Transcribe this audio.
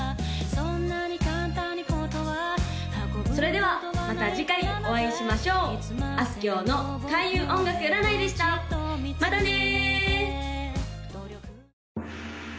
そんなに簡単にコトはそれではまた次回お会いしましょうあすきょうの開運音楽占いでしたまたね！